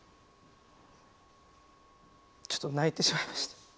ちょっと泣いてしまいました。